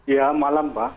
ya malam pak